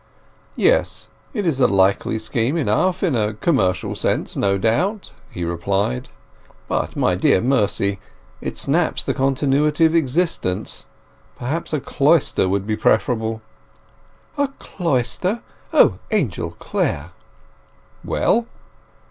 "Yes; it is a likely scheme enough in a commercial sense, no doubt," he replied. "But, my dear Mercy, it snaps the continuity of existence. Perhaps a cloister would be preferable." "A cloister! O, Angel Clare!" "Well?"